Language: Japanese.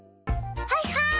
はいはい！